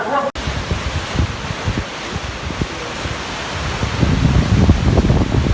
สวัสดีครับ